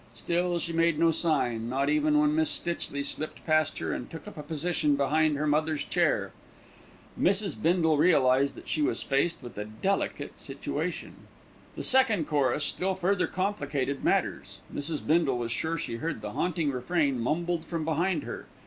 Still she made no sign, not even when Miss Stitchley slipped past her and took up a position behind her mother's chair. Mrs. Bindle realised that she was faced with a delicate situation. The second chorus still further complicated matters. Mrs. Bindle was sure she heard the haunting refrain mumbled from behind her.